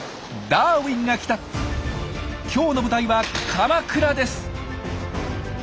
「ダーウィンが来た！」今日の舞台は鎌倉です。